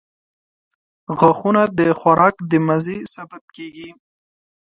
• غاښونه د خوراک د مزې سبب کیږي.